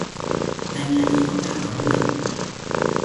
แต่งานนี้ต้องทำต่อเนื่อง